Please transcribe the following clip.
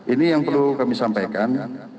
ini yang perlu kami sampaikan